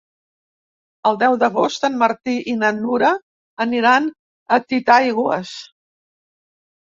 El deu d'agost en Martí i na Nura aniran a Titaigües.